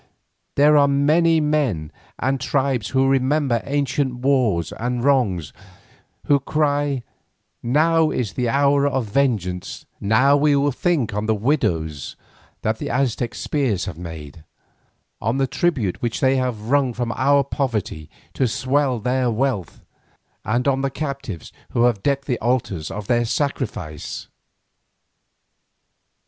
There are many men and tribes who remember ancient wars and wrongs, and who cry, 'Now is the hour of vengeance, now we will think on the widows that the Aztec spears have made, on the tribute which they have wrung from our poverty to swell their wealth, and on the captives who have decked the altars of their sacrifice!